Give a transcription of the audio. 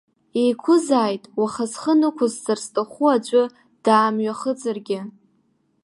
Еиқәызааит, уаха зхы нықәызҵар зҭахыу аӡәы даамҩахыҵыргьы.